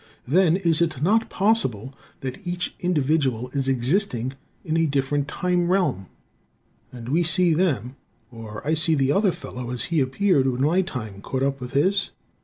Then is it not possible that each individual is existing in a different time realm? And we see them, or I see the other fellow as he appeared when my time caught up with his?